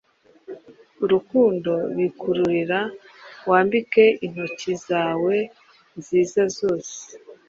urukundo bikuririra Wambike intoki zawe nziza zose;